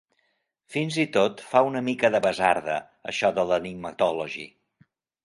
Fins i tot fa una mica de basarda, això de l'enigmatology.